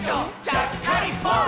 ちゃっかりポン！」